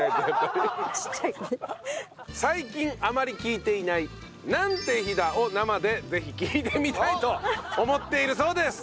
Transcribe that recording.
最近あまり聞いていない「なんて日だ！」を生でぜひ聞いてみたいと思っているそうです。